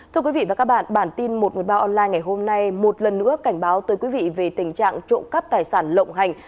thưa quý vị và các bạn bản tin một trăm một mươi ba online ngày hôm nay một lần nữa cảnh báo tới quý vị về tình trạng trộm cắp tài sản lộng hành